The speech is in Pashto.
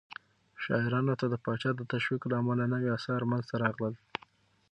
شاعرانو ته د پاچا د تشويق له امله نوي آثار منځته راغلل.